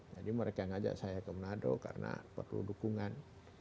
jadi mereka yang ajak saya ke menado karena perlu dukungan